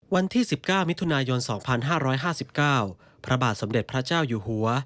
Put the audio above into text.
วันที่๑๙มิถุนายน๒๕๕๙พระบาทสมเด็จพระเจ้าอยู่หัว